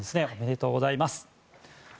おめでとうございます。